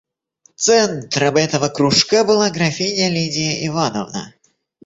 Центром этого кружка была графиня Лидия Ивановна.